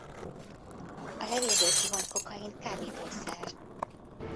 A levélből kivont kokain kábítószer.